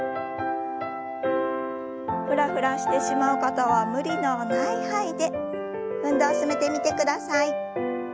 フラフラしてしまう方は無理のない範囲で運動を進めてみてください。